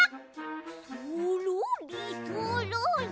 そろりそろり。